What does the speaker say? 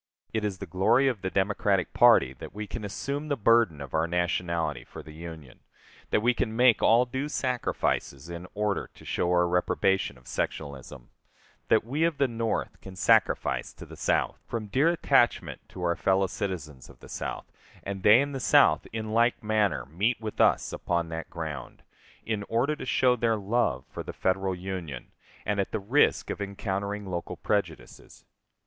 It is the glory of the Democratic party that we can assume the burden of our nationality for the Union; that we can make all due sacrifices in order to show our reprobation of sectionalism, that we of the North can sacrifice to the South, from dear attachment to our fellow citizens of the South, and they in the South in like manner meet with us upon that ground, in order to show their love for the Federal Union, and at the risk of encountering local prejudices.